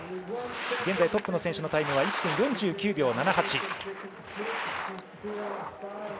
現在トップの選手のタイムは１分４９秒７８。